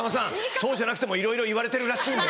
そうじゃなくてもいろいろ言われてるらしいんで。